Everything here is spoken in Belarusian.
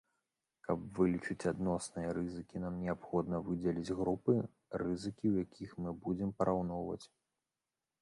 Каб вылічыць адносныя рызыкі нам неабходна выдзеліць групы, рызыкі ў якіх мы будзем параўноўваць.